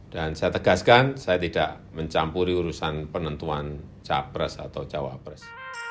dan saya tegaskan saya tidak mencampuri urusan penentuan capres atau cawapres